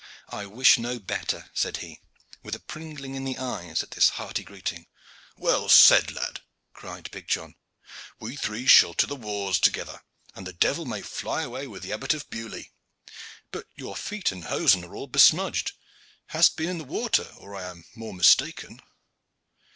"I wish no better," said he, with a pringling in the eyes at this hearty greeting. "Well said, lad!" cried big John. "We three shall to the wars together, and the devil may fly away with the Abbot of Beaulieu! But your feet and hosen are all besmudged. Hast been in the water, or I am the more mistaken."